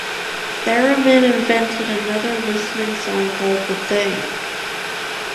Theremin invented another listening device called The Thing.